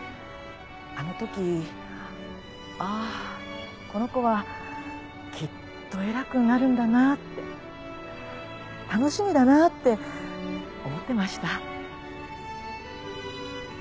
あの時「あこの子はきっと偉くなるんだな」って「楽しみだな」って思ってました。